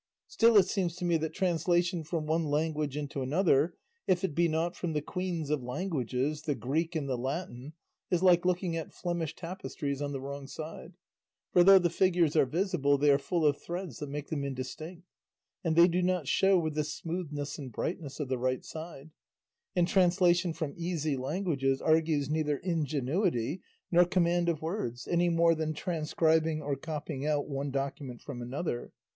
Still it seems to me that translation from one language into another, if it be not from the queens of languages, the Greek and the Latin, is like looking at Flemish tapestries on the wrong side; for though the figures are visible, they are full of threads that make them indistinct, and they do not show with the smoothness and brightness of the right side; and translation from easy languages argues neither ingenuity nor command of words, any more than transcribing or copying out one document from another.